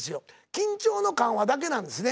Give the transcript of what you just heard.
緊張の緩和だけなんですね